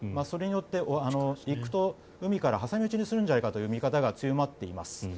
それによって陸と海から挟み撃ちにするんじゃないかという見方が強まっています。